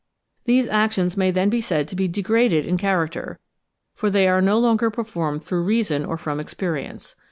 These actions may then be said to be degraded in character, for they are no longer performed through reason or from experience.